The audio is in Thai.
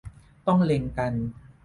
ต้องเล็งกัน